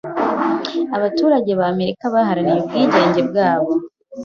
Abaturage ba Amerika baharaniye ubwigenge bwabo.